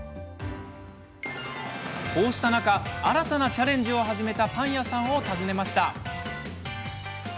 こうした中、新たなチャレンジを始めたパン屋さんを訪ねました。